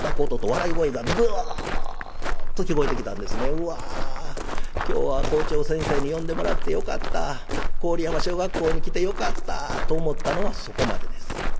うわ今日は校長先生に呼んでもらってよかった郡山小学校に来てよかったと思ったのはそこまでです。